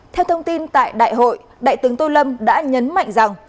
theo thông tin tại đại hội đại tướng tô lâm đã nhấn mạnh rằng